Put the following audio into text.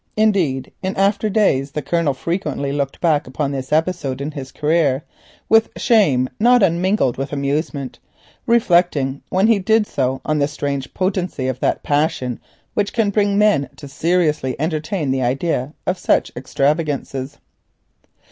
Indeed, in after days the Colonel frequently looked back upon this episode in his career with shame not unmingled with amusement, reflecting when he did so on the strange potency of that passion which can bring men to seriously entertain the idea of such extravagances.